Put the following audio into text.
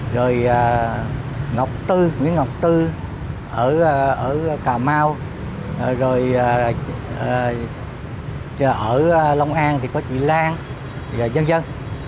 rồi ngọc tư nguyễn ngọc tư ở cà mau rồi ở long an thì có chị lan và nhân dân